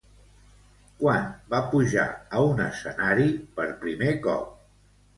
Quan va pujar a un escenari per primer cop?